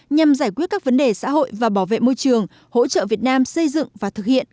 nhằm giải quyết các vấn đề xã hội và bảo vệ môi trường hỗ trợ việt nam xây dựng và thực hiện